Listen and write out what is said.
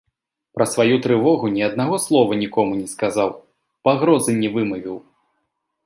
Пра сваю трывогу ні аднаго слова нікому не сказаў, пагрозы не вымавіў.